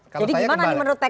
jadi gimana menurut pks